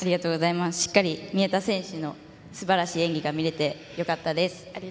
しっかり宮田選手のすばらしい演技が見れてよかったです。